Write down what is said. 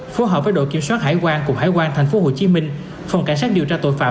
phối hợp với đội kiểm soát hải quan cục hải quan tp hcm phòng cảnh sát điều tra tội phạm